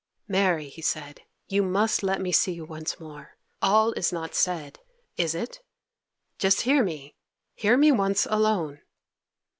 'Mary,' he said, 'you must let me see you once more. All is not said! is it? Just hear me—hear me once alone!